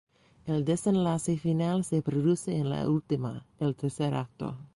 El desenlace final se produce en la última, el tercer acto.